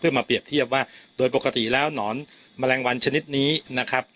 มาเปรียบเทียบว่าโดยปกติแล้วหนอนแมลงวันชนิดนี้นะครับ